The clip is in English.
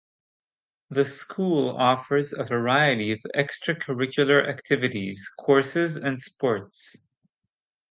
The school offers a variety of extracurricular activities, courses, and sports.